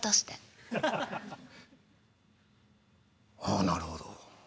あなるほど。